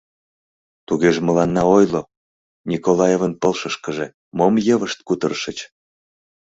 — Тугеже мыланна ойло, Николаевын пылышышкыже мом йывышт кутырышыч?